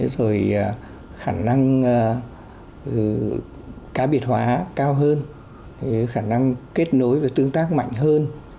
rồi khả năng cá biệt hóa cao hơn khả năng kết nối và tương tác mạnh hơn